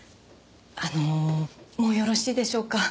あのもうよろしいでしょうか？